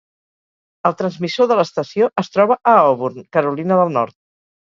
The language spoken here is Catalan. El transmissor de l'estació es troba a Auburn, Carolina de Nord.